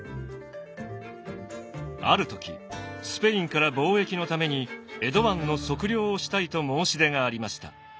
ある時スペインから貿易のために江戸湾の測量をしたいと申し出がありました。